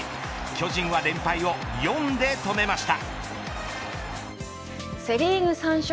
巨人は連敗を４で止めました。